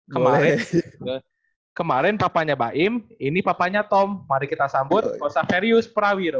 kemarin kemarin papanya baim ini papanya tom mari kita sambut konseprius prawiro